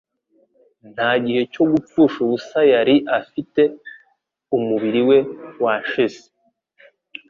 Nta gihe cyo gupfusha ubusa yari afite : umubiri we washize,